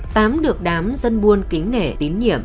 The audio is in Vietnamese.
tám được đám dân buôn kính nẻ tín nhiệm